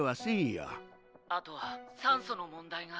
「あとは酸素の問題が」。